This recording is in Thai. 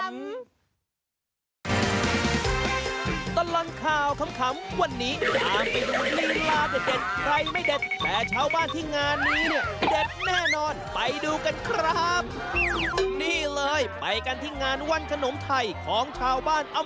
งั้นไปดูกันเลยในช่วงของตลับข่าวข่ำ